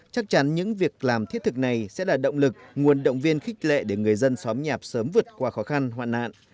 chắc chắn những việc làm thiết thực này sẽ là động lực nguồn động viên khích lệ để người dân xóm nhạc sớm vượt qua khó khăn hoạn nạn